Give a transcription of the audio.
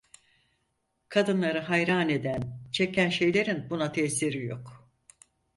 Kadınları hayran eden, çeken şeylerin buna tesiri yok.